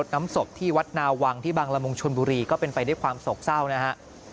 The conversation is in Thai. น้ำศพที่วัดนาวังที่บังละมุงชนบุรีก็เป็นไปด้วยความโศกเศร้านะฮะ